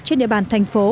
trên địa bàn thành phố